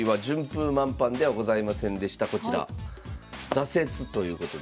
挫折ということで。